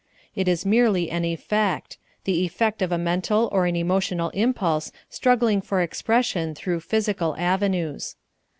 It is merely an effect the effect of a mental or an emotional impulse struggling for expression through physical avenues.